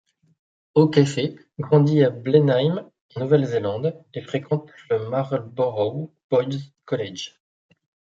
O'Keeffe grandit à Blenheim, en Nouvelle-Zélande, et fréquente le Marlborough Boys College.